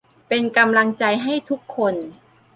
เป็นกำลังใจให้ทุกคน